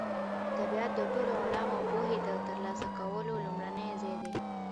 طبیعت د ټولو علومو او پوهې د ترلاسه کولو لومړنی ځای دی.